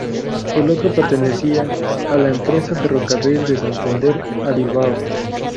El otro pertenecía a la empresa Ferrocarril de Santander a Bilbao.